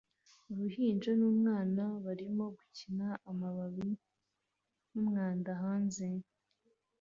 Uruhinja n'umwana barimo gukina amababi n'umwanda hanze